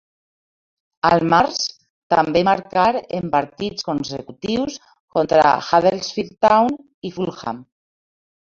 Al març, també marcar en partits consecutius contra Huddersfield Town i Fulham.